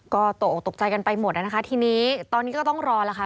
ก็ตกออกตกใจกันไปหมดนะคะทีนี้ตอนนี้ก็ต้องรอแล้วค่ะ